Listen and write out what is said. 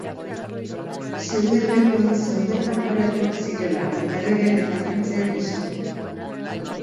Zeuden lekuan zeuden aukeratuak zirelako, erregeen eta printzeen gisa.